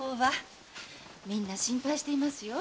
みんな心配していますよ。